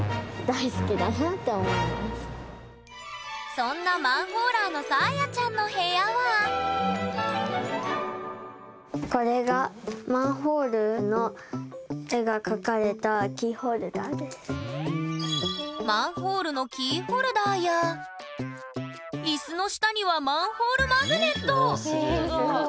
そんなマンホーラーのさあやちゃんの部屋はこれがマンホールのキーホルダーや椅子の下にはマンホールへえすごい。